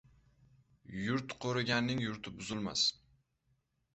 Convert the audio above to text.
Yurt qo'riganning yurti buzilmas.